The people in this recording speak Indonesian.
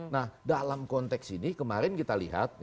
nah dalam konteks ini kemarin kita lihat